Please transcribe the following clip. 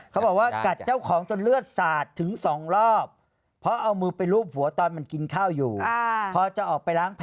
กัดเจ้าของจนเลือดสาด